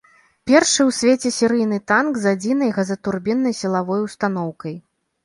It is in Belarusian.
Першы ў свеце серыйны танк з адзінай газатурбіннай сілавой устаноўкай.